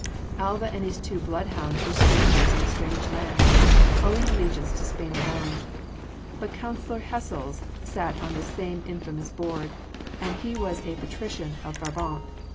Alva and his two bloodhounds were strangers in a strange land, owing allegiance to Spain alone but Councillor Hessels sat on this same infamous board, and he was a patrician of Brabant.